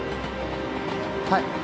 はい